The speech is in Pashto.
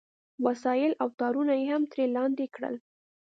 وسایل او تارونه یې هم ترې لاندې کړل